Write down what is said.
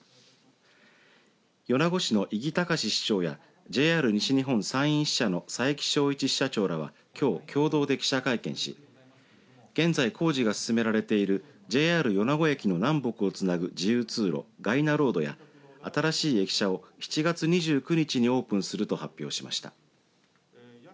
米子市の伊木隆司市長やＪＲ西日本山陰支社の佐伯祥一支社長らはきょう共同で記者会見し現在工事が進められているＪＲ米子駅の南北をつなぐ自由通路がいなロードや新しい駅舎を７月２９日にオープンすると発表しました。